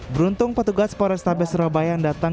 beruntung petugas polrestabes surabaya yang datang